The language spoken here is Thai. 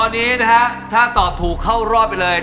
ตอนนี้นะฮะถ้าตอบถูกเข้ารอบไปเลย